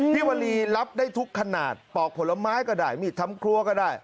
วลีรับได้ทุกขนาดปอกผลไม้ก็ได้มีดทำครัวก็ได้